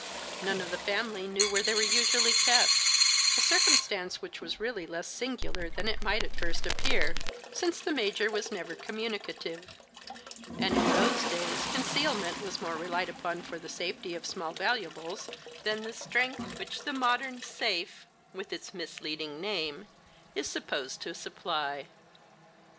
None of the family knew where they were usually kept a circumstance which was really less singular than it might at first appear, since the major was never communicative, and in those days concealment was more relied upon for the safety of small valuables than the strength which the modern safe, with its misleading name, is supposed to supply.